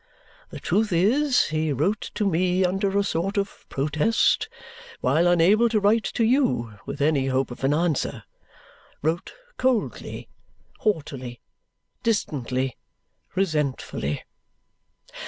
The truth is, he wrote to me under a sort of protest while unable to write to you with any hope of an answer wrote coldly, haughtily, distantly, resentfully.